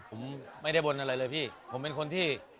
ผมไม่ได้บนอะไรเลยพี่ผมเป็นคนที่